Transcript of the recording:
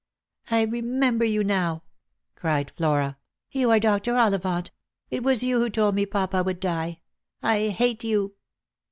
" I remember you now," cried Flora. "You are Dr. Ollivant. 1 1 was you who told me papa would die. I hate you